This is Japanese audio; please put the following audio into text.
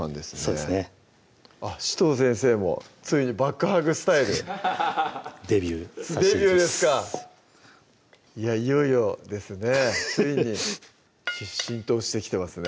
そうですねあっ紫藤先生もついにバックハグスタイルデビューさして頂きますデビューですかいよいよですねついに浸透してきてますね